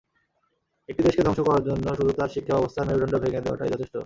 একটি দেশকে ধ্বংস করার জন্য শুধু তার শিক্ষাব্যবস্থার মেরুদণ্ড ভেঙে দেওয়াটাই যথেষ্ট।